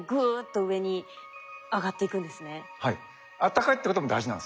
暖かいってことも大事なんですよ。